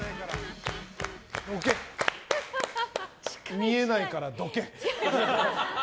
⁉見えないからどけ。